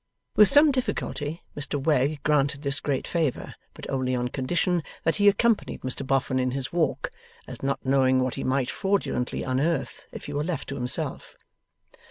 With some difficulty Mr Wegg granted this great favour, but only on condition that he accompanied Mr Boffin in his walk, as not knowing what he might fraudulently unearth if he were left to himself.